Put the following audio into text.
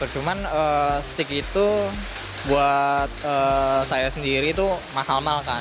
cuman stik itu buat saya sendiri itu mahal mahal kan